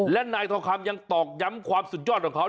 และนายทองคำยังตอกย้ำความสุดยอดของเขา